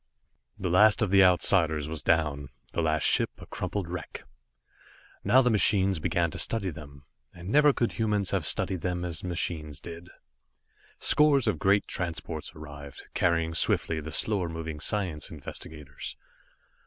The last of the Outsiders was down, the last ship a crumpled wreck. Now the machines began to study them. And never could humans have studied them as the machines did. Scores of great transports arrived, carrying swiftly the slower moving science investigators.